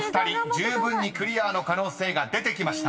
［じゅうぶんにクリアの可能性が出てきました］